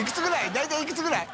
大体いくつぐらい？